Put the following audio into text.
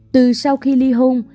từ sau khi ly hôn